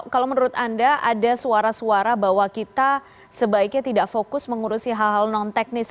kalau menurut anda ada suara suara bahwa kita sebaiknya tidak fokus mengurusi hal hal non teknis